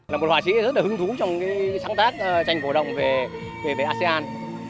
là một họa sĩ rất là hứng thú trong sáng tác tranh cổ động về asean